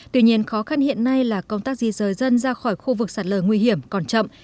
tuy nhiên khó khăn hiện nay là công tác di rời dân ra khỏi khu vực sạt lở nguy hiểm còn chậm